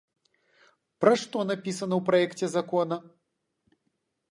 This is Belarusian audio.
Пра што напісана ў праекце закона?